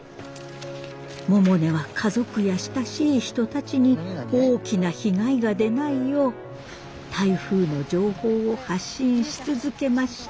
百音は家族や親しい人たちに大きな被害が出ないよう台風の情報を発信し続けました。